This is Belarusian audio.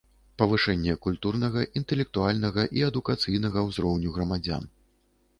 Павышэнне культурнага, iнтэлектуальнага i адукацыйнага ўзроўню грамадзян.